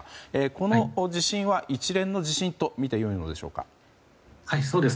この地震は一連の地震とみてよいのでしょうか。